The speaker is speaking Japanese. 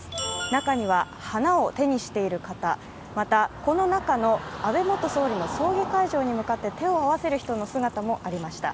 中には花を手にしている方また、この中の安倍元総理の葬儀会場に向かって手を合わせる人の姿もありました。